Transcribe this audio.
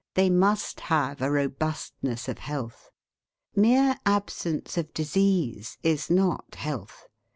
They must have a robustness of health. Mere absence of disease is not health.